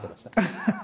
ハハハ！